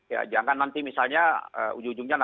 ya jangan nanti misalnya ujung ujungnya nanti